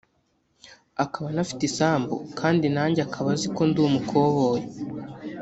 akaba anafite isambu kandi nanjye akaba azi ko ndi umukoboyi